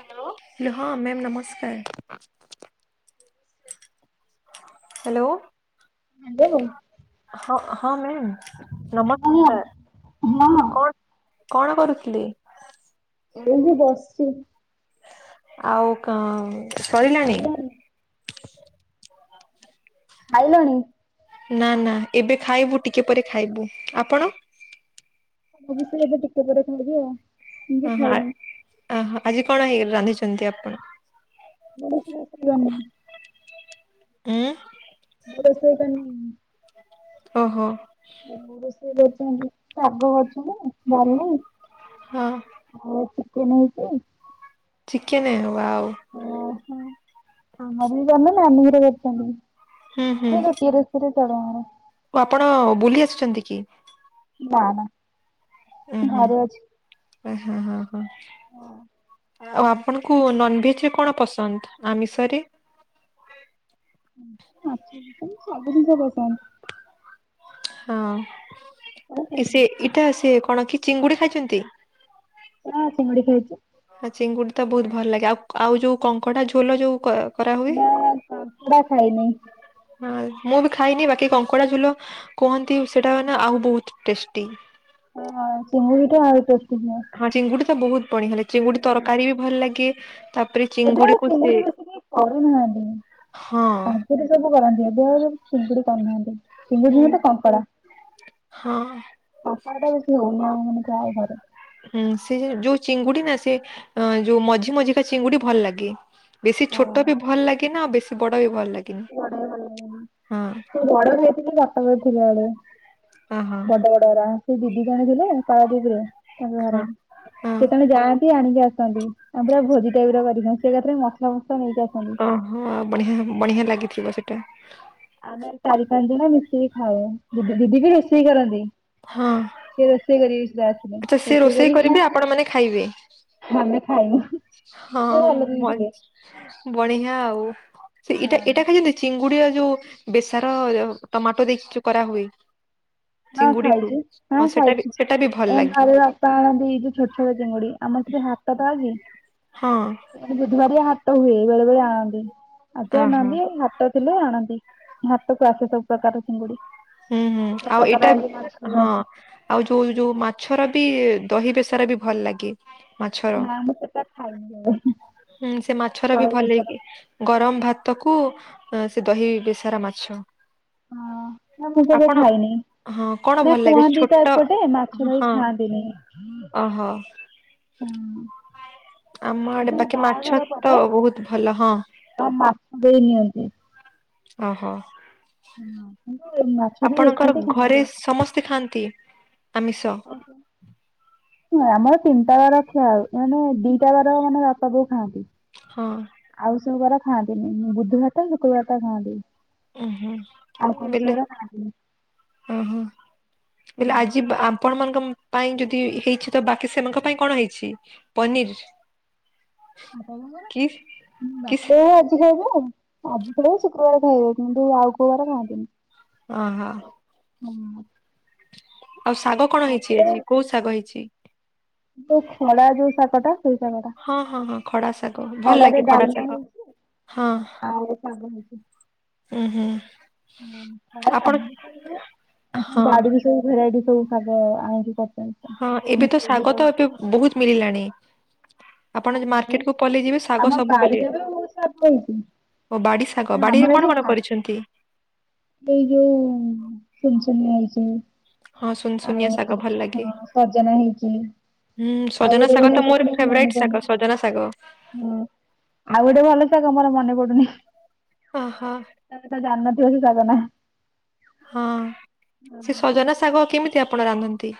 Hello. ହଁ ma'am ନମସ୍କାର। Hello. Hello. ହଁ ହଁ ମ୍ୟାମ୍ ହଁ ନମସ୍କାର ହଁ କଣ କଣ କରୁଥିଲି। ମୁଁ ବି ବସିଛି। ଆଉ କ ସରିଲାଣି। ଖାଇଲଣି ଖାଇଲଣି। ନା ନା ଏବେ ଖାଇବୁ ଟିକେ ପରେ ଖାଇବୁ ଆପଣ। ମୁଁ ବି ସେ ଏବେ ଟିକେ ପରେ ଖାଇବି ଆଉ। ମୁଁ ବି ଓଃ ଖାଇନି ଓ ହ ଆଜି କଣ ହେଇ ରାନ୍ଧିଛନ୍ତି ଆପଣ। [unintelligible] ହୁଁ। ମୁଁ ରୋସେଇ କରିନି ଓହୋ। ରୋଷେଇ ଶାଗ ଡାଲି ଆଉ ହଁ ଚିକେନ ହେଇଛି। ଚିକେନ ୱାଓ ଓ ହ ମ ବି ଜ ନାାନର ହୁଁ ହୁଁ କରଛନ୍ତିଛନ୍ତି ସେ ରୁଟି ର [unintelligible] ଆପଣ ବୁଲି ଆସିୁଛନ୍ତି କି? ନା ନା ଘରେ ଅଛି। ଓ ହ ହ ହଁ। ଆଉ ଆପଣଙ୍କୁ ନନଭେଜ ରେ କଣ ପସନ୍ଦ ଆମିଷରେ। ମାଛ ପସନ୍ଦ ସବୁ ଜିନିଷ ପସନ୍ଦ। ସବୁ ହଁ ସେ ପସନ୍ଦ। ଇଟା ସେ କଣ କି ଚିଙ୍ଗୁଡି ଖାଇଛନ୍ତି। ହଁ ଚିଙ୍ଗୁଡି ଖାଇଛି। ହଁ ଚିଙ୍ଗୁଡି ତ ବହୁତ ଭଲ ଲାଗେ। ଆଉ ଆଉ ଯୋଉ କଙ୍କଡା ଝୋଲ ଯୋଉ କରାହୁଏ। ନା କଙ୍କଡ଼ା [unintelligible] ଖାଇନି। ହଁ ମୁଁ ବି ଖାଇନି ବାକି କଙ୍କଡା ଝୁଲ କୁହନ୍ତି। ସେଟା ନା ଆଉ ବହୁତ ଟେଷ୍ଟି। ହଁ ତିଙ୍ଗୁଡି ଟା ଆ ଟେଷ୍ଟି। ହଁ ଚିଙ୍ଗୁଡି ତ ବହୁତ ବଢିଆ। ଚିଙ୍ଗୁଡି ତରକାରୀ ବି ଭଲ ଲାଗେ। ତାପରେ ଏବେ ଆଉ ଚିଙ୍ଗୁଡି କୁ ସେ ବେଶୀ କେହି ହଁ। ଚିଙ୍ଗୁଡ଼ି କରିନାହାନ୍ତି ଚିଙ୍ଗୁଡି ହୁଁ। ନୁହେଁ ତ କଙ୍କଡ଼ା ହଁ କଙ୍କଡା ଟା ବେଶୀ ହଉନି ଆମ ମାନ ଯ ଘରେ। ହୁଁ ସେ ଯୋଉ ଚିଙ୍ଗୁଡି ନା ସେ ଅ ଯୋଉ ମଝି ମଝିକା ଚିଙ୍ଗୁଡି ଭଲ ଲାଗେ। ବେଶୀ ଛୋଟ ବି ଭଲ ଲାଗେ ନା, ଆଉ ବେଶୀ ବଡ ବି ଭଲ ଲାଗେ ବେଶୀ ବଡ଼ ବି ଭଲ ଲାଗେନି ବଡ଼ ଖାଇଥିଲି କଟକ ରେ ଥିଲା ବେଳେ ଓହୋ। ବଡ ବଡ ଗୁରା ସେ ଦିଦି ଜଣେ ଦେଲେ ପାରଦୀପରେ। ତାଙ୍କ ହଁ ଘର ହଁ ଯେତେବେଳେ ଯାଆ ସିଏ ଆଣିକି ଆସନ୍ତି ଆମ୍ଭେ ଭୋଜି [unintelligible] ମସଲା ମସ ନେଇକି ଆସନ୍। ଓହୋ ବଢିଆ ବଢିଆ ଲାଗିଥିଲା ସେଟା? ଆମେ ଚାରି ପାଞ୍ଚ ଜଣ ମିଶିକି ଖାଏ ଦିଦି ଦିଦି ବି ରୋସେଇ କରନ୍ତି। ହଁ। ସେ ରୋଷେଇ କରିବେ ସେ ଆସିଲେ ଆଚ୍ଛା ସିଏ ରୋଷେଇ କରିବେ ଆପଣ ମାନେ ଖାଇବେ [unintelligible] ଆମେ ଖାଇବୁ ହୁଁ। ହଁ ମଜ ବଢିଆ ଆଉ ସେ ଏଇଟା ଏଇଟା ଖାଲି ଦେ ଚିଙ୍ଗୁଡି ଆ ଯୋଉ ବେସର ଟମାଟୋ ଦେଇକି ଚୋ କରାହୁଏ। ହଁ ଚିଙ୍ଗୁଡିକୁ ଖାଇଛି ହଁ ସେଟା ବି ସେଟା ବି ଭଲ ଲାଗି। ତଣ୍ ଦେଇକି ଛୋଟ ଛୋ ଚିଙ୍ଗୁଡି। ଆମ ସେଠି ହାଟଟା ଅଛି। ହଁ। ଇଆଡ଼େ ବୁଧବାରିଆ ହାଟ ହୁଏ ବେଳେ ବେଳେ ଆଣନ୍ତି। ଆଜି ଆଣି ଓହୋ ନାହାନ୍ତି ହା ଟ ଥିଲେ ଆଣନ୍ତି। ହାଟକୁ ଆସେ ସବୁ ପ୍ରକାର ଚିଙ୍ଗୁଡି। ହୁଁ ହୁଁ ସବୁ ଆଉ ପ୍ରକାର ଏଟା ମାଛ ବେ ସବୁ ହଁ। ଆସେ ଆଉ ଯୋଉ ଯୋଉ ମାଛର ବି ଦହି ବେଶର ବି ଭଲ ଲାଗେ। ମାଛରଁ। ନା ମୁଁ ସେଟା ଖାଇନି କେବେ ହୁଁ ସେ ମାଛର ବି ଦହି ବେସର। ଭଲେଇକି। ଗରମ ଭାତ କୁ ଆଁ ସେ ଦହି ବେସାରା ମାଛ। ହଁ ନା ମୁଁ କେବେ ଆପଣ ଖାଇନେଇ। ହଁ କଣ ନା ଭଲ ଲାଗେ କୁହନ୍ତି ତ ଛୋଟ ଏପଟେ ମାଛ ଧହି ହଁ ଖାଆନ୍ତିନି। ଓହୋ ହଁ ଆମ ଆଡେ କିନ୍ତୁ ବାକି ମାଛ ତ ବହୁତ ଭଲ ହଁ। ତା ମାଛ ଦେଇ ନିଅନ୍ତି। ଓହୋ। କିନ୍ତୁ ମାଛ ଦେଇ ଆପଣଙ୍କର ଏକାଠି ଘରେ ଖାଆନ୍ତିନି। ସମସ୍ତେ ଖାଆନ୍ତି ଆମିଷ? [inaudible] ନାଁ ଆମର ତିନିଟା ବାର ଖିଆ ହୁଏ। ମାନେ ଦିଟା ବାର ମାନେ ବାପା ବୋଉ ଖାଆନ୍ତି। ହଁ। ଆଉ ସବୁ ବାର ଖାଆନ୍ତିନି ବୁଧବାର ଟା ଶୁକୃବାର ଟା ଖାଆନ୍ତି। ଉଁ ଆଉ କଣ ଶେରା ଖାନ୍ତିନୀ। ଉହୁଁ ହେଲେ ଆଜିବ୍ ଆପଣ ମାନଙ୍କମ୍ ପାଇଁ ଯଦି ହେଇଛି ତ ବାକି ସେମାଙ୍କ ପାଇଁ କଣ ହେଇଛି ପନିର? ବାପା କି କି ବୋଉମନ ଉମ ବାପା ବୋ ଜି ଖାଇବେ ଆଉ ଆଜି ଖାଇ ଶୁକ୍ରବାର ଖାଇବେ କିନ୍ତୁ ଆଉ କୋଉବାର ଖାଆନ୍ତିନି। ଓହୋ। ହଁ। ଆଉ ଶାଗ କଣ ହେଇଛି ଆଜି କୋଉ ଶାଗ ହେଇଛି? ଯୋଉ ଖଡା ଯୋଉ ଶାଗଟା ସେଇ ଶାଗ ଟା। ହଁ ହଁ ହଁ ଖଡା ଶାଗ ଭଲ ଖଡାରେ ଲାଗେ ଖଡା ଡାଲମା ଶାଗ ହେଇଛି ହଁ। ଆଉ ସାଗ ହେଇଛି। ଉଁ ହୁଁ ମମଫଡା ଆପଣ [unintelligible] ହଁ ବାଡ଼ି ସବୁ ଭେରାଇଟି ସବୁ ଶାଗ ଆଣିକି କତ୍ ହଁ ଏବେ ତ ଶାଗ ତ ଏବେ ବହୁତ ମିଳିଲାଣି। ଆପଣ ସବୁ ମାର୍କେଟ କୁ ପଲେଇ ଯିବେ ଶାଗ ଆମ ସବୁ ବିଲିଅ। ବାଡିରେ ବି ବହୁତ ଶାଗ ହେଇଛି ଓ ବାଡି ଶାଗ ବାଡିରେ ଆମର ଆଜି କଣ କଣ ହା କରିଛନ୍ତି? ଏଇ ଯୋଉ ସୁନସୁନିଆ ହେଇଚି। ହଁ ଆଉ ସୁନସୁନିଆ ଶାଗ ଭଲ ହଁ ଲାଗେ ସଜନା ହେଇଚି। ହୁଁ ସଜନା ଶାଗଟା ମୋର ଫେବରାଇଟ ଶାଗ ସଜନା ଶାଗ। ହୁଁ ଆଉ ଗୋଟେ ଭଲ ଶାଗ ମୋର ମନେ ପଡୁନି। ଅହା। ତମ ତ ଜାନ୍ ନଥିବ ସେ ଶାଗ ନାଁ। ହଁ ସେ ସଜନା ଶାଗ କେମିତି ଆପଣ ରାନ୍ଧନ୍ତି?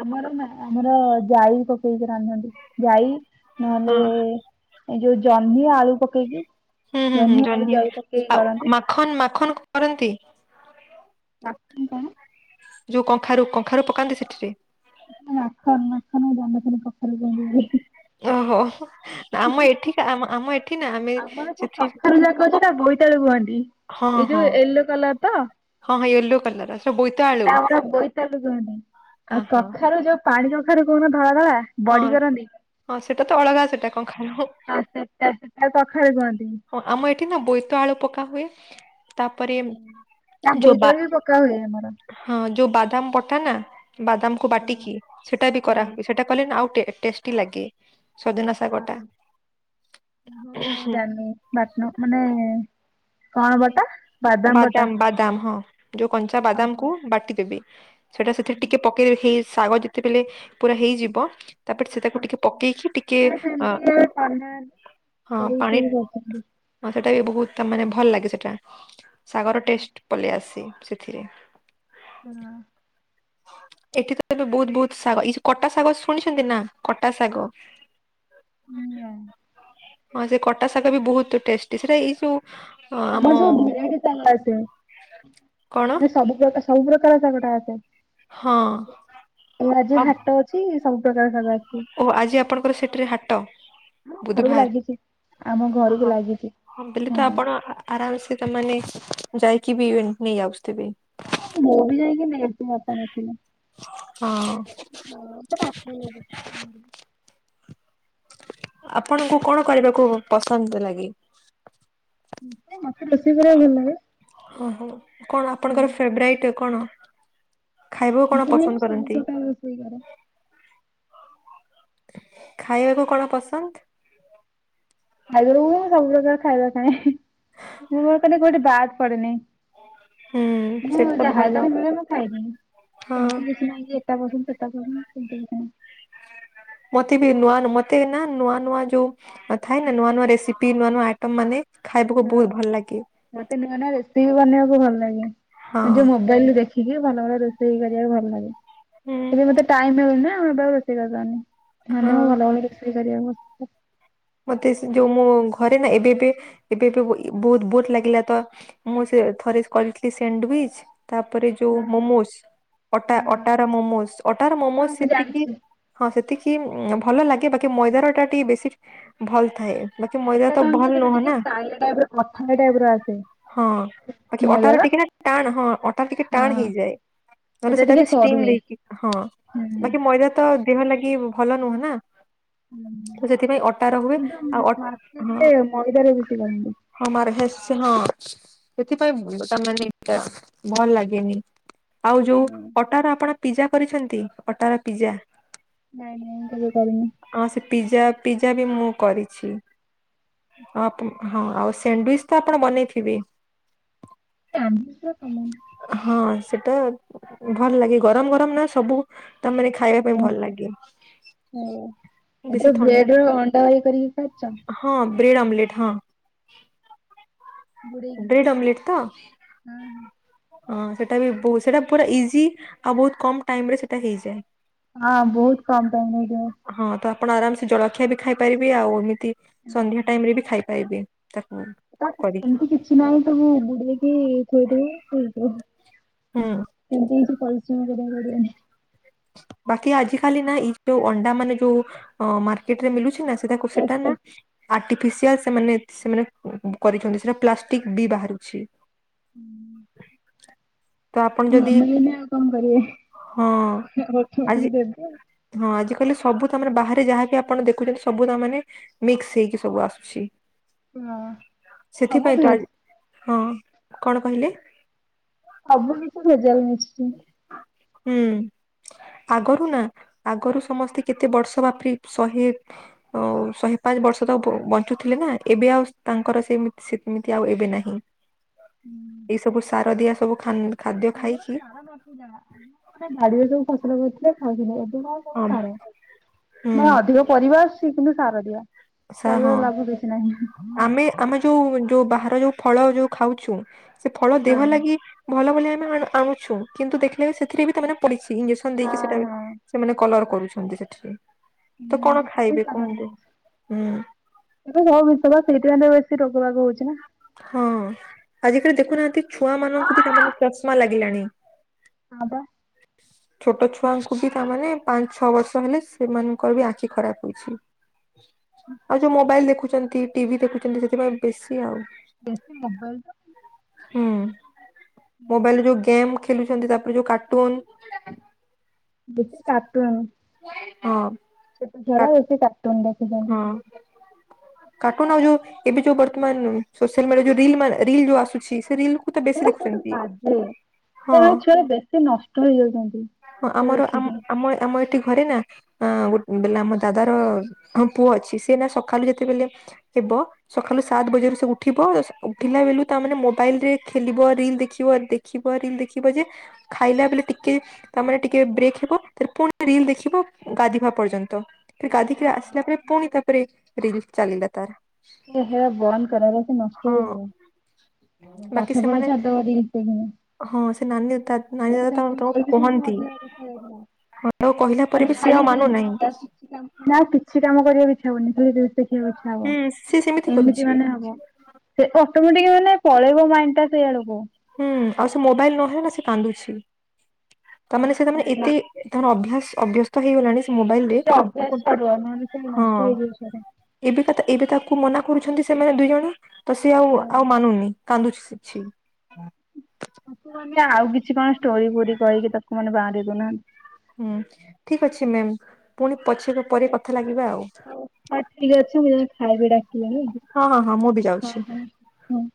ଆମର ନା ଆମର ଜାଇ ପକେଇକି ରାନ୍ଧନ୍ତି। ଯାଇ ହଁ ନହେଲେ ଏଇ ଯୋଉ ଜହ୍ନି ଆଳୁ ପକେଇକି ହୁଁ ହୁଁ ହୁଁ ଜହ୍ନି ଆଳୁ ଜହ୍ନ ଜଇ ପକେଇକି ଆଉ କରନ୍ତି। ମାଖନ ମାଖନ କରନ୍ତି। ମାଖନ କଣ? ଯୋଉ କଙ୍ଖାରୁ କଙ୍ଖାରୁ ପକାନ୍ତି ସେଠିରେ। ଆଖନ ନାଖନ ମୁଁ ଜାଣିନଥିଲି ପ୍ରଥମେ ଜାଣିଲି। ଓହୋ ଆମ ଏଠିକା ଆମ ଏଠ ଆଉମର ସେଇ କଖାରୁ ଯାକୁ କହନ୍ତି ତାକୁ ବୋଇତାଳୁ କୁହନ୍ତି। ହଁ ଏଇ ଯୋଉ ହଁ ୟେଲୋ କଲର ତ। ହଁ ହଁ ୟେଲୋ କଲର ସେ ବୋଇତ ଆଳୁ ସେଟା ଆମର ବୋଇତାଲୁ କୁହନ ଆଉ ହଁ ହଁ କଖାରୁ ଯୋଉ ପାଣି କଖାରୁ କହୁନ ଧଳା ଧଳା ହଁ ବଡି କରନ୍ତି। ହଁ ସେଟା ତ ଅଲଗା ସେଟା କଖାରୁ। ଆଉ ସେତ ସେ କଖାରୁ କୁହନ୍ତି। ହଁ ଆମ ଏଠି ନା ବୋଇତାଳୁ ପକା ହୁଏ। ତାପରେ ତା ଯୋଉ ବା ବୋଇତାଳୁ ବି ପକା ହୁଏ ଆମର। ହଁ ଯୋଉ ବାଦାମ ବଟା ନା ବାଦାମକୁୁ ବାଟିକି ସେଟା ବି କରା ହୁଏ ସେଟା କଲେ ନା ଆଉ ଟେଷ୍ଟି ଲାଗେ। ସଜନା ହଁ ଶାଗଟା ହଉ ନା ମୁଁ ଜାଣିନି। ବାଟନ ମାନେ କଣ ବଟା? ବାଦାମ ବାଦାମ ହଁ ଯୋଉ କଞ୍ଚା ବାଦାମ ଓହୋ କୁ ବାଟି ଦେବେ। ସେଇଟା ସେଥିରେ ଟିକେ ପକେଇ ଦେଇକି ଶାଗ ଯେତେବେଳେ ପୁରା ହେଇଯିବ ତାପରେ ତାକୁ ଟିକେ ଆଚ୍ଛା ପକେଇକି ଟିକେ ନାଇଁ ଅ ସେମିତି କେବେ କରିନାହାନ୍ତି। ହଁ ଏଇ ପାଣି ସବୁ କରିଛନ୍ତି। ହଁ ସେଇଟା ବି ବହୁତ ମାନେ ଭଲ ଲାଗେ ସେଟା ଶାଗର ଟେଷ୍ଟ ପଳେଇ ଆସେ ସେଥିରେ ହଁ। ଏଠି ତ ଏବେ ବହୁତ ବହୁତ ଶାଗ ଏ କଟା ଶାଗ ଶୁଣିଛନ୍ତି ନା କଟା ଶାଗ। ନା ହଁ ସେ କଟା ଶାଗ ବି ବହୁତ ଟେଷ୍ଟି ସେଇଟା ଏଇ ଯୋଉ ଆମ ଆମର ସବୁ ଭେରାଇଟି ଶାଗ ଆସେ କଣ ମାନେ ସବୁ ପ୍ରକାର ସବୁ ପ୍ରକାର ଶାଗଟା ଆସେ ହଁ ଏଇ ଆଜି ଆଉ ହାଟ ଅଛି ସବୁ ପ୍ରକାର ଶାଗ ଆସିବ। ଓ ଆଜି ଆପଣଙ୍କର ସେଠିରେ ହାଟ। ଆମ ଘରକୁ ବୁଧବାର ଲାଗିଛି। ଆମ ଘରକୁ ଓହୋ ଲାଗିଛି ହ ବୋଲି ତ ହଁ। ଆପଣ ଆରାମ ସେ ତମାନେେ ଯାଇକି ବି ନେଇ ଆଶୁଉଥିବେ। ମୁଁ ବି ଯାଇକି ନେଇଥିଲ ଆପଣ ଏଥିଲେ। ହଁ। ହଁ [inaudible] ଆପଣଙ୍କୁ କଣ କରିବାକୁ ପସନ୍ଦ ଲାଗେ? ମତେ ରୋଷେଇ କରିବାକୁ ଭଲ ଲାଗେ। ଓହୋ କଣ ଆପଣଙ୍କର ଫେବରାଇଟ୍ କଣ? ଖାଇବାକୁ କଣ ଏମିତି ନୁହେଁ ମୁଁ ପସନ୍ଦ ସବୁ କରନ୍ତି? ପ୍ରକାର ରୋଷେଇ କରେ। ଖାଇବାକୁ କଣ ପସନ୍ଦ? ଖାଇବାକୁ ମୁଁ ସବୁ ପ୍ରକାର ଖାଇବା ଖାଏ ମୋର କୋଉଠି ବାଦ୍ ପଡେ ନାହିଁ। ହୁଁ ମୁଁ ସେଇଟା ତ ଯାହା ଭଲ ଯେତେବେଳେ ମିଳେ ମୁଁ ଖାଇଦିଏ ହଁ ସେମତି କି ନାଇଁ ଯେ ଏଟା ପସନ୍ତ ସେଟା ପସନ୍ତ ସେମିତି କିଛି ନାଇଁ। ମତେ ବି ନୂଆ ମତେ ନା ନୂଆ ନୂଆ ଯୋଉ ନଥାଏ ନା ନୂଆ ନୂଆ ରେସିପି ନୂଆ ନୂଆ ଆଇଟମ ମାନେ ଖାଇବାକୁ ବହୁତ ଭଲ ଲାଗେ। ମତେ ନୂଆ ନୂଆ ରେସିପି ବନେଇବାକୁ ଭଲ ହଁ ଲାଗେ ଯୋଉ ମୋବାଇଲରୁ ଦେଖିକି। ଦେ ଭଲ ଭଲ ରୋଷେଇ କରିବାକୁ ଭଲ ଲାଗେ ହୁଁ ଏବେ ମତେ ଟାଇମ ମିଳୁନି ନା ଏବେ ରୋଷେଇ କରିପାରୁନି। ମାନେ ହଁ। ମୁ ଭଲ ଭଲ ରୋଷେଇ କରିବାକୁ ଭଲ ମତେ ସେ ଯୋଉ ମୋ ଘରେ ନା ଏବେଏବେ ଏବେଏବେ ବହୁତ ବୋର ଲାଗିଲା ତ ମୁଁ ସେ ଥରେ କରିଥିଲି ସେଣ୍ଡୱିଚ। ତାପରେ ଯୋଉ ମୋମୋଜଟ ହଁ ହଁ ଅଟାର ମୋମୋଜ ଅଟାର ମୋମୋଜ ହଁ ମୁଁ ସେତିକି ଜାଣିଛି। ହଁ ସେତିକି ଭଲ ଲାଗେ ବାକି ମଇଦାର ଟା ଟିକେ ବେଶୀ ଭଲ୍ ଥାଏ। ବାକି ମଇଦା ସେଇଟା ତ କଣ ଭଲ କି ସେଟା ନୁହଁ ଟିକେ ନା ତା ଟାଇପ୍ କଥା ଟାଇପ୍ ରୁ ଆସେ। ହଁ ବାକି ଅଟାର ମଇଦାର। ଟିକେ ନା ଟାଣ୍ ହଁ ଅଟାର ଟିକେ ଟାଣ୍ ହଁ ହେଇଯାଏ। ନହେଲେ ସେଟା ଟିକେ ବି ଷ୍ଟିମ୍ ସରୁଏ। ଦେଇକି ହଁ ହୁଁ ବାକି ମଇଦା ତ ଦେହ ଲାଗି ଭଲ ନୁହଁ ନା ତ ସେଥିପାଇଁ ଅଟା କିନ୍ତୁ ମାର୍କେଟରେ ମଇଦା ରେ ବିକିଲେଣି। ହ ମାର୍ ହେସ୍ଛି ହଁ। ସେଥିପାଇଁ ତ ମାନେ ଏଟା ଭଲ୍ ଲାଗେନି। ଆଉ ଯୋଉ ଅଟାର ଆପଣ ପିଜ୍ଜା କରିଛନ୍ତି ଅଟାର ପିଜ୍ଜା। ନାଇଁ ନାଇଁ କେବେ କରିନି। ହଁ ସେ ପିଜା ପିଜ୍ଜା ବି ମୁଁ କରିଛି। ହଁ ଆଉ ସେଣ୍ଡ୍ୱିସ୍ ତ ଆପଣ ବନେଇଥିବେ? ଏ ଆମିଷ ତମ ହଁ ସେଟା ଭଲ୍ ଲାଗେ ଗରମ ଗରମ ନା ସବୁ ତାମାନେ ଖା ଖାଇବା ପାଇଁ ହଁ। ଭଲ୍ ଲାଗେ ବେଶୀ ଥଣ୍ଡା ଦବାଇ କରିକି ଖାଚ? ହଁ ବ୍ରେଡ଼୍ ଆମ୍ଲେଟ୍ ହଁ। ବୁଡେଇକି ବ୍ରେଡ଼୍ ଆମ୍ଲେଟ ତ? ହଁ ହଁ ସେଟା ବି ବହୁ ସେଇଟା ପୁରା ଇଜି ଆଉ ବହୁତ୍ କମ୍ ଟାଇମ୍ ରେ ସେଟା ହେଇଯାଏ। ହଁ ବହୁତ କମ୍ ଟାଇମ୍ ହେଇଯାଏ। ହଁ ତ ଆପଣ ଆରାମ୍ ସେ ଜଳଖିଆ ବି ଖାଇପାରିବେ। ଆଉ ଏମିତି ସନ୍ଧ୍ୟା ଟାଇମ୍ ରେ ବି ଖାଇପାରିବେ। ତାକୁ। ତାକୁ କରିକି ସେମିତି କିଛି ନାହିଁ ତାକୁ ବୁଡ଼େଇକି ଖୁଏଇ ଦେବେ ହେଇଯିବ। ହୁଁ। ଏମିତି କିଛି ପରିଶ୍ରମ କରିବାକୁ ପଡ଼ିବନି। ବାକି ଆଜିିକାଲି ନା ଏଇ ଯୋଉ ଅଣ୍ଡା ମାନେ ଯୋଉ ମାର୍କେଟରେ ମଲୁଛି ନା ସେଟାକୁ ସେଟା ଫାଷ୍ଟେ ନା ଆର୍ଟିଫିସିଆଲ୍ ସେମାନେ ସେମାନେ କରିଛନ୍ତି ସେଟା ପ୍ଲାଷ୍ଟିକ ବି ବାହାରୁଛି। ହୁଁ। ତ ଆପଣ ଯଦି ନମିଳିନେ ଆଉ କଣ କରିବିବେ ହଁ ଆଜି ଅଟମେଟିକି ଦେବେ ଆଉ ହଁ ଆଜି କାଲି ସବୁ ତମାନେ ବାହାରେ ଯାହାବି ଆପଣ ଦେଖୁଛନ୍ତି ସବୁ ତାମନେ ମିକ୍ସ ହେଇକି ସବୁ ଆସୁଛି। ହଁ। ସବୁ ସେଥିପାଇଁ ତ ଭେଜ ହଁ କଣ କହିଲେ ସବୁ ବି ତ ଭେଜାଲ୍ ମିଶୁଛି ହୁଁ ଆଗରୁ ନା ଆଗରୁ ସମସ୍ତେ କେତେ ବର୍ଷ ବାପି ଶହେ ଅ ଶହେ ବର୍ଷ ତ ବଞ୍ଚୁଥିଲେ ନା ଏବେ ଆଉ ତାଙ୍କର ସେମିତି ଏମିତି ଆଉ ଏବେ ନାହିଁ ଏଇ ସବୁ ସାର ଦିଆ ସବୁ ଖାନ୍ ଖାଦ୍ୟ ଖାଇକି ଆମାନେ ବାଡି଼ରେ ଯୋଉ ସବୁ ଫସଲ କରିଥିଲେ ଖାଉଥିଲେ ଏବେ କଣ ହଁ ସବୁ ସାର ହୁଁ ମାନେ ଅଧିକ ପରିବା ଆଛି କିନ୍ତୁ ସାର ଦିଆ ସା ପରିବାର ହଁ ଲାଭ କିଛି ନାହିଁ ଆମେ ଆମେ ଯୋଉ ଯୋଉ ବାହାର ଯୋଉ ଫଳ ଯୋଉ ଖାଉଛୁ ସେ ଫଳ ହଁ ଦେହ ଲାଗି ଭଲ ବୋଲି ଆମେ ଆଣୁ- ଆଣୁଛୁ କିନ୍ତୁ ଦେଖିଲେ ବି ସେଥିରେ ବି ତାମାନେ ପଡି଼ଛି ଇଞ୍ଜେକ୍ସନ ଦେଇକି ହଁ ସେଟା ହଁ। ସେମାନେ କଲର କରୁଛନ୍ତି ସେଠରେ ତ କଣ ଖାଇବେ କୁହନ୍ତୁ? ହୁଁ। ଏ ହ ବିଷ ବା ସେଇଥିପାଇଁ ତ ବେଶୀ ରୋଗ ବାଗ ହଉଛି ନା ହଁ ଆଜିକାଲି ଦେଖୁନାହାନ୍ତି ଛୁଆ ମାନଙ୍କୁ ବି ତାମାନେ ଚଷମା ଲାଗିଲାଣି ହଁବା ହ [unintelligible] ଛୋଟ ଛୁଆଙ୍କୁ ବି ତା ମାନେ ପାଞ୍ଚ, ଛଅ ବର୍ଷ ହେଲେ ସେମାନଙ୍କର ବି ଆଖି ଖରାପ ହଉଛି। ଆଉ ଯୋଉ ମୋବାଇଲ ଦେଖୁଛନ୍ତି, ଟିଭି ଦେଖୁଛନ୍ତି ସେଥିପାଇଁ ବେଶୀ ଆଉ। ବେଶି ମୋବାଇଲ ତ। ହୁଁ, ମୋବାଇଲରେ ଯୋଉ ଗେମ୍ ଖେଲୁଛନ୍ତି, ତାପରେ ଯୋଉ କାର୍ଟୁନ। ବେଶି କାର୍ଟୁନ୍। ହଁ। ଛୋଟ ଛୁଆ କା ଉରା ବେଶୀ କାର୍ଟୁନ୍ ଦେଖ ହଁ। କାର୍ଟୁନ ଆଉ ଯୋଉ ଏବେ ଯୋଉ ବର୍ତ୍ତମାନ ସୋସିଆଲ୍ ମିଡ଼ିଆରେ ଯୋଉ ରିଲ୍ ମାନେ ରିଲ୍ ଯୋଉ ଆସୁଛି ସେ ରିଲ୍ କୁ ତ ବେଶୀ ଏରା ସବୁଠୁ ଦେଖୁଛନ୍ତି। ବାଜେ ହଁ। ଏ ଛୁଆରା ବେଶୀ ନଷ୍ଟ ହେଇଯାଉଛନ୍ତି ହଁ ସେ ଆମର ଦେଖିକି ଆମ ଆମ ଏଠି ଘରେ ନା ଅ ଗୋ ବେଲେ ଆମ ଦାଦାର ପୁଅ ଅଛି ସେସନା ସକାଲୁ ଯେତେବେଲେ ହେବ ସକାଲୁ ସାତ୍ ବଜେରୁ ସେ ଉଠିବ। ଉଠିଲା ବେଲୁ ତା ମାନେ ମୋବାଇଲ ରେ ଖେଲିବ ରିଲ ଦେଖିବ ଦେଖି ଦେଖିବ ରିଲ୍‌ ଦେଖିବ ଯେ ଖାଇଲା ବେଲେ ଟିକେ ତା ମାନେ ଟିକେ ବ୍ରେକ୍ ହେବ। ତା ପୁଣି ରିଲ ଦେଖିବ ଗାଧେଇବା ପର୍ଯ୍ୟନ୍ତ। ଫେରେ ଗାଧେଇକିରି ଆସି ଲା ପରେ ପୁଣି ତ ତାପରେ ରିଲ୍ ଚାଲିିଲା ତାର। ହେ ହେରା ବନ୍ଦ କର ନହେଲେ ସିଏ ନଷ୍ଟ ହଁ ହେଇଯିବ। ବାକି ପାଠପଢ଼ା ସେମାନେ ଛାଡ଼ି ଦବ ରିଲ୍। [unintelligible] ହଁ ସେ ନାନୀ ତା ନାନୀ ଦାଦା ତାଙ୍କୁ [unintelligible] କୁହନ୍ତି କହିଲା ପରେ ମାନେ ବି ସିଏ ଖାଲି ଆଉ ରିଲ୍। ମାନୁନାହିଁ। [unintelligible] ଆଉ କିଛି କାମ କରିବା ଇଚ୍ଛା ହବନି ଖାଲି ରିଲ୍ ଦେଖିବାକୁ ଇଚ୍ଛା ହବ ହୁଁ ସିଏ ସେମିତି ଏମିତି କରୁଛି। ମାନେ ହବ। ସେ ଅଟୋମେଟିକ ମାନେ ପଳେଇବ ମାଇଣ୍ଡ ଟା ସେଇ ଆଡ଼କୁ। ହୁଁ। ଆଉ ସେ ମୋବାଇଲ ନହେଲେ ନା ସିଏ କାନ୍ଦୁଛି ତା ମାନେ ସିଏ ତା ମାନେ ନା ଏତେ ତାଙ୍କର ଅଭ୍ୟାସ ଅଭ୍ୟସ୍ତ ହେଇ ଗଲାଣି ସେ ମୋବାଇଲ ରେ, ସେ ଅଭ୍ୟାସ ଛାଡୁଆ ନହେଲେ ସେ ହଁ। ନଷ୍ଟ ହେଇଯିବ ସେଗୁଡା। ଏବେ ତା ଏବେ ତାକୁ ମନା କରୁଛନ୍ତି ସେମାନେ ଦୁଇ ଜଣ ତ ସେ ଆଉ ଆଉ ମାନୁନି କାନ୍ଦୁଛିଛି। ତାକୁ ମାନେ ଆଉ କିଛି କଣ ଷ୍ଟୋରି-ଫୋରି କହିକି ତାକୁ ମାନେ ବାଆଁରେଇ ଦଉ ନାହାନ୍ତି। ହୁଁ ଠିକ୍ ଅଛି ମ୍ୟାମ୍। ପୁଣି ପଛିରେ ପରେ କଥା ଲାଗିବା ଆଉ। ହଉ ହଁ ଠିକ୍ ଅଛି ମୁଁ ଯାଇ ଖାଇବି ଡାକି ହଁ ହଁ ହଁ ମୁଁ ବି ଯାଉଛି। ହଁ।